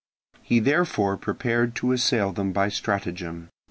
He therefore prepared to assail them by stratagem.